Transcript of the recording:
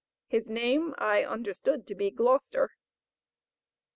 His name I understood to be Gloucester.